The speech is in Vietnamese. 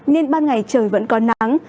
nên ban ngày trời vẫn còn nắng